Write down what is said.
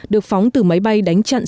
được phóng từ máy bay đánh chặn